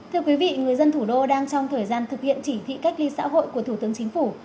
thưa quý vị người dân thủ đô đang trong thời gian thực hiện chỉ thị cách ly xã hội của thủ tướng chính phủ